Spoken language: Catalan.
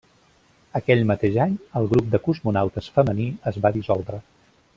Aquell mateix any, el grup de cosmonautes femení es va dissoldre.